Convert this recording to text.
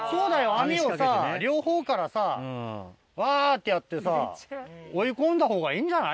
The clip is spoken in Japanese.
網をさ両方からさわってやって追い込んだほうがいいんじゃない？